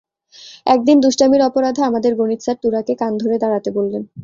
একদিন দুষ্টামির অপরাধে আমাদের গণিত স্যার তূরাকে কান ধরে দাঁড়াতে বললেন।